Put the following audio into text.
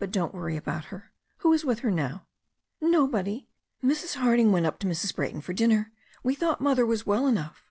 But don't worry about her. Who is with her now?*' "Nobody. Mrs. Harding went up to Mrs. Brayton for dinner. We thought Mother was well enough."